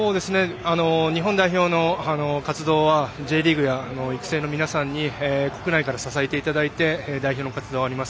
日本代表の活動はＪリーグや育成の皆さんに国内から支えていただいて代表の活動があります。